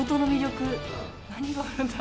何があるんだろう？